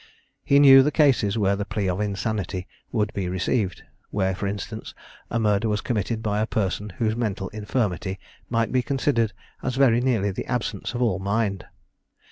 He knew the cases where the plea of insanity would be received where for instance a murder was committed by a person whose mental infirmity might be considered as very nearly the absence of all mind.